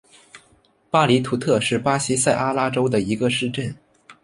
巴图里特是巴西塞阿拉州的一个市镇。